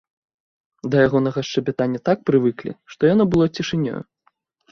Да ягонага шчабятання так прывыклі, што яно было цішынёю.